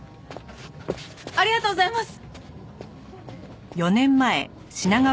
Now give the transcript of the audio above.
ありがとうございます！